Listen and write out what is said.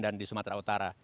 dan di sumatera utara